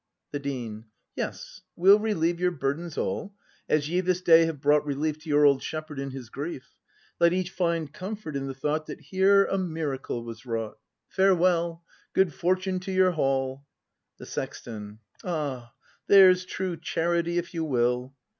The Dean. Yes, we'll relieve your burdens all, As ye this day have brought relief To your old shepherd in his grief. Let each find comfort in the thought That here a miracle was wrousrht. Farewell! Good fortune to vour haul! The Sexton. Ah, there's true charity, if you will!